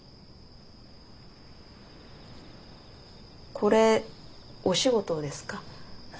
これお仕事ですか？